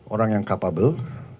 orang yang capable